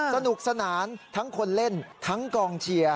สนุกสนานทั้งคนเล่นทั้งกองเชียร์